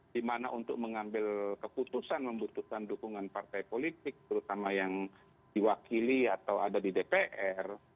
di mana untuk mengambil keputusan membutuhkan dukungan partai politik terutama yang diwakili atau ada di dpr